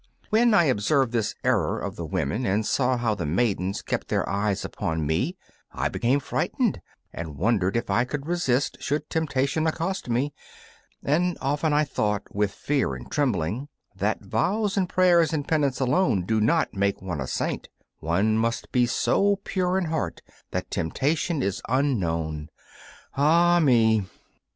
When I observed this error of the women, and saw how the maidens kept their eyes upon me, I became frightened, and wondered if I could resist should temptation accost me; and often I thought, with fear and trembling, that vows and prayer and penance alone do not make one a saint; one must be so pure in heart that temptation is unknown. Ah me!